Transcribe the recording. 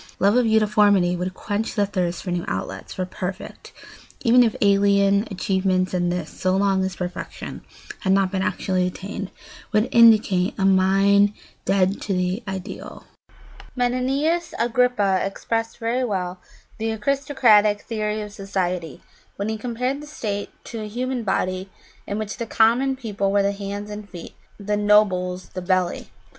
Love of uniformity would quench the thirst for new outlets, for perfect, even if alien, achievements, and this, so long as perfection had not been actually attained, would indicate a mind dead to the ideal. [Sidenote: Fable of the belly and the members.] [Sidenote: Fallacy in it.] Menenius Agrippa expressed very well the aristocratic theory of society when he compared the state to a human body in which the common people were the hands and feet, and the nobles the belly.